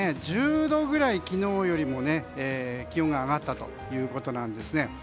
１０度くらい、昨日よりも気温が上がったということです。